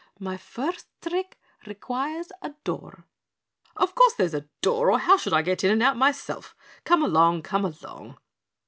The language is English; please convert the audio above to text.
"My first trick requires a door." "Of course there's a door, or how should I get out and in myself? Come along, come along!"